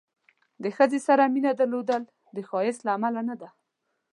د ښځې سره مینه درلودل د ښایست له امله نه ده.